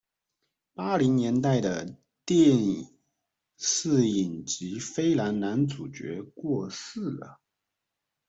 八零年代的電視影集《飛狼》男主角過世了